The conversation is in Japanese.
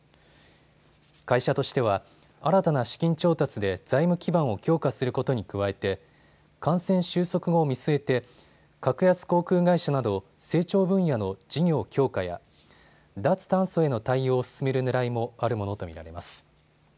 会社としては新たな資金調達で財務基盤を強化することに加えて感染収束後を見据えて格安航空会社など成長分野の事業強化や脱炭素への対応を進めるねらいもあるものと見られます。